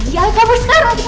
ya kabur sekarang